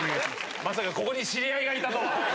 まさかここに知り合いがいたとは！